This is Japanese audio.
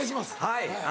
はい。